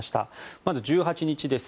まず１８日です。